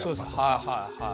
はいはいはい。